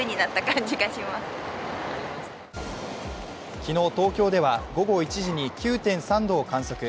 昨日、東京では午後１時に９．３度を観測。